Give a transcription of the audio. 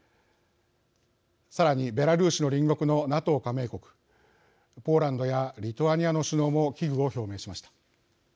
さらに、ベラルーシの隣国のＮＡＴＯ加盟国ポーランドやリトアニアの首脳も危惧を表明しました。